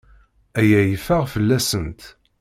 Aya yeffeɣ fell-asent.